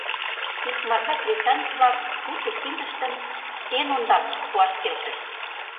Икмарда кресаньык-влак уто киндыштым эн ондак пуаш келшышт: